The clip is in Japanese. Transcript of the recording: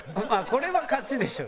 これは勝ちでしょ。